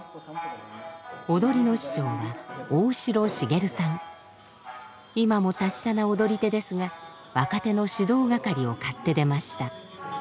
踊りの師匠は今も達者な踊り手ですが若手の指導係を買って出ました。